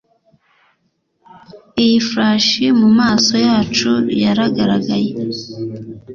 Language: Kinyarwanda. iyi flash mumaso yacu yaragaragaye